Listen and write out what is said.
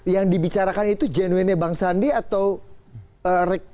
yang dibicarakan itu genuinnya bang sandi atau